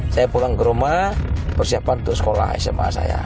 saya pulang ke rumah persiapan untuk sekolah sma saya